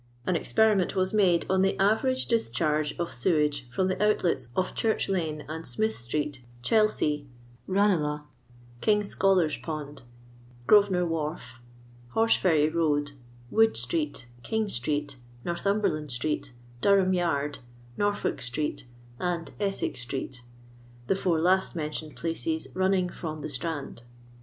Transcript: An experiment was made on the average dis charge of sewage from the outlets of Church lane and Smith streety Chelsea, Ranelagh, King's ScholarVpond, Grosvenor wharf, Horseferry road, Wood street, King street, Northnmberland street, Dorfaam yard, Noifolk streot, and Essex street (the four last mentioned places running from the Strand).